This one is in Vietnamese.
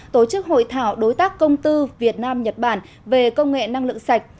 tổ chức hội thảo đối tác công tư việt nam nhật bản về công nghệ năng lượng sạch